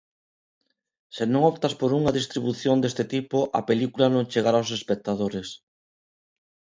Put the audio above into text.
Se non optas por unha distribución deste tipo a película non chegará aos espectadores.